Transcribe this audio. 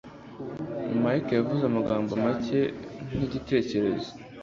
Mike yavuze amagambo make nkigitekerezo.